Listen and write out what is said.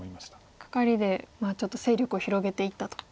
カカリでちょっと勢力を広げていったと。